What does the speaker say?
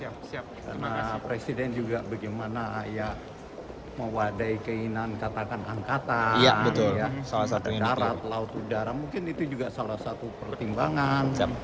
karena presiden juga bagaimana ya mewadai keinginan katakan angkatan darat laut udara mungkin itu juga salah satu pertimbangan